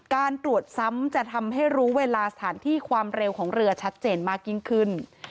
การตรวจซ้ำจะทำให้รู้เวลาสถานที่ความเร็วของเรือชัดเจนมากยิ่งขึ้น